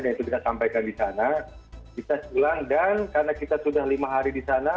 dan itu kita sampaikan di sana ditest ulang dan karena kita sudah lima hari di sana